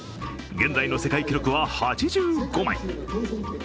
現在の世界記録は８５枚。